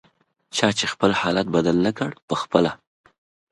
چا چې خپل حالت بدل نکړ پخپله